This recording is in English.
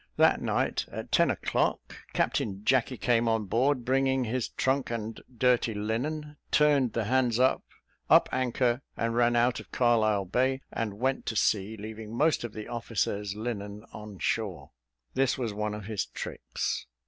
That night, at ten o'clock, Captain Jacky came on board, bringing his trunk and dirty linen, turned the hands up, up anchor, and ran out of Carlisle Bay and went to sea, leaving most of the officers' linen on shore. This was one of his tricks.